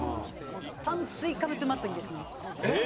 炭水化物祭りですね。